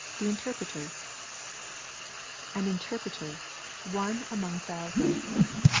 THE INTERPRETER 'An interpreter, one among a thousand.'